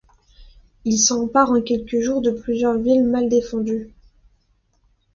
Ils s'emparent en quelques jours de plusieurs villes mal défendues.